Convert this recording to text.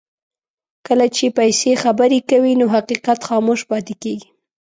کله چې پیسې خبرې کوي نو حقیقت خاموش پاتې کېږي.